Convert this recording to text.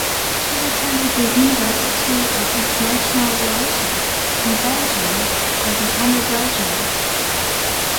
She attended the University of International Relations in Beijing as an undergraduate.